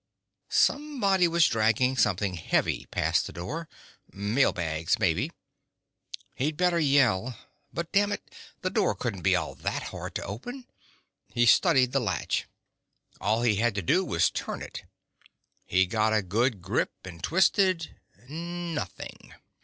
Somebody was dragging something heavy past the door. Mail bags, maybe. He'd better yell. But dammit, the door couldn't be all that hard to open. He studied the latch. All he had to do was turn it. He got a good grip and twisted. Nothing.